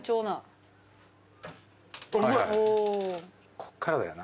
こっからだよな。